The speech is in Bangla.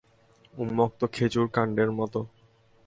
উন্মুলিত খেজুর কাণ্ডের মত।